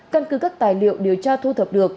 căn cứ các tài liệu điều tra thu thập được